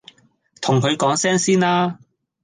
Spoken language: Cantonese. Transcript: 同佢講聲先啦！